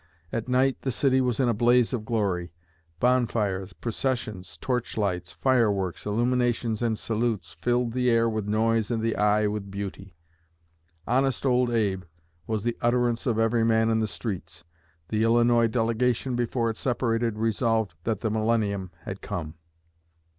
At night the city was in a blaze of glory. Bonfires, processions, torchlights, fire works, illuminations and salutes, 'filled the air with noise and the eye with beauty.' 'Honest Old Abe' was the utterance of every man in the streets. The Illinois delegation before it separated 'resolved' that the millennium had come."